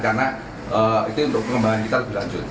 karena itu untuk pengembangan kita lebih lanjut